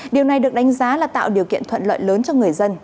điều này được đánh giá là tạo điều kiện thuận lợi lớn cho người dân